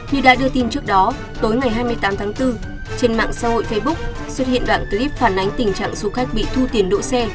như đã đưa tin trước đó tối ngày hai mươi tám tháng bốn trên mạng xã hội facebook xuất hiện đoạn clip phản ánh tình trạng du khách bị thu tiền đỗ xe